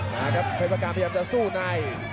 มาครับเทปประการพยายามจะสู้นาย